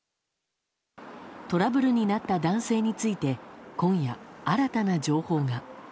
トラブルになった男性について今夜、新たな情報が。